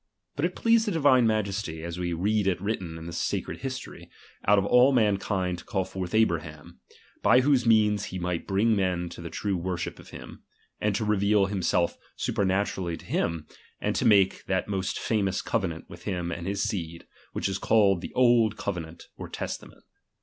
But it pleased the Xi\ine Majesty, as we read it written in the sacred history, out of all mankind to call forth Abraham, by whose means he might bring men to the true ■worship of him ; and to reveal himself supernatu rdly to hira, and to make that most famous cove nant with him and his seed, which is called the old covenant or testament.